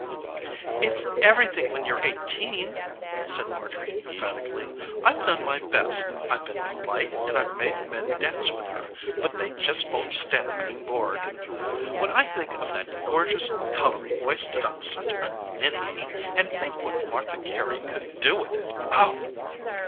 "It's everything when you're eighteen," said Marjorie emphatically. "I've done my best. I've been polite and I've made men dance with her, but they just won't stand being bored. When I think of that gorgeous coloring wasted on such a ninny, and think what Martha Carey could do with it oh!"